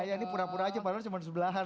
iya ini pura pura aja malah cuma di sebelah kan